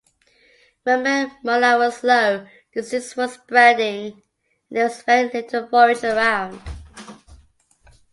Roman morale was low, disease was spreading, and there was very little forage around.